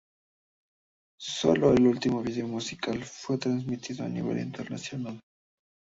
Sólo el último video musical fue transmitido a nivel internacional.